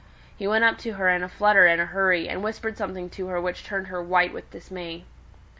He went up to her in a flutter and a hurry, and whispered something to her which turned her white with dismay.